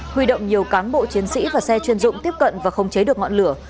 huy động nhiều cán bộ chiến sĩ và xe chuyên dụng tiếp cận và khống chế được ngọn lửa